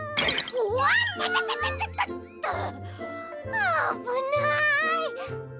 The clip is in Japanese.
あぶない。